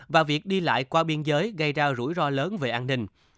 và việc đi lại qua biên giới gây ra rủi ro lớn về an ninh